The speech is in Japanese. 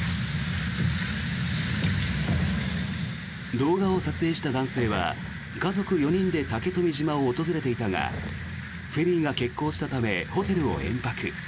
動画を撮影した男性は家族４人で竹富島を訪れていたがフェリーが欠航したためホテルを延泊。